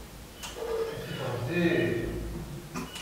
Asif ɣezzif.